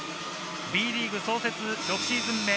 Ｂリーグ創設６シーズン目。